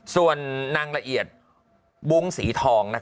ส่วนนางละเอียดบุ้งสีทอง